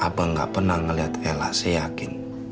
abang gak pernah ngeliat ela seyakin